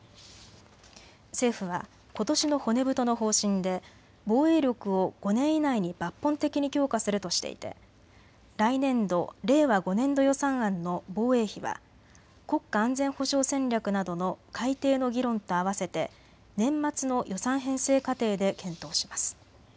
政府はことしの骨太の方針で防衛力を５年以内に抜本的に強化するとしていて来年度・令和５年度予算案の防衛費は国家安全保障戦略などの改定の議論とあわせて年末の予算編成過程で検討します。